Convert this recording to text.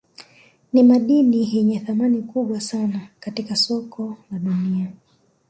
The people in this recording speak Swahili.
Nimadini yenye thamani kubwa sana katika soko la dunia